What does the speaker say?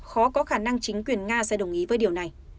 khó có khả năng chính quyền nga sẽ đồng ý với điều này